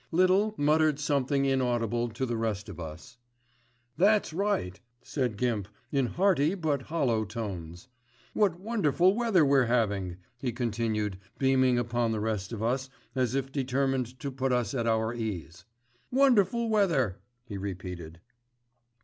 Little muttered something inaudible to the rest of us. "That's right!" said Gimp in hearty but hollow tones. "What wonderful weather we're having," he continued beaming upon the rest of us, as if determined to put us at our ease. "Wonderful weather," he repeated.